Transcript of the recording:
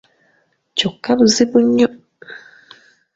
Kyokka buzibu nnyo.